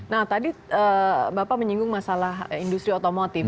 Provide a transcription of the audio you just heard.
nah tadi bapak menyinggung masalah industri otomotif